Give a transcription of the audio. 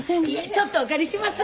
ちょっとお借りします。